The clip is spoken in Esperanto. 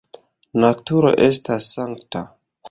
Naturo estas sankta.